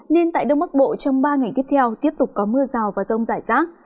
nên tại đông bắc bộ trong ba ngày tiếp theo tiếp tục có mưa rào và rông rải rác